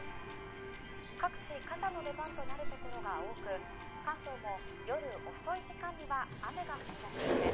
「各地傘の出番となるところが多く関東も夜遅い時間には雨が降り出しそうです」